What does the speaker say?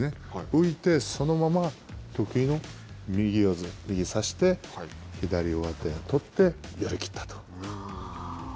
浮いてそのまま、得意の右を差して左上手を取って寄り切ったと。